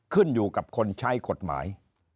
ขึ้นอยู่กับคนใช้กฎหมาย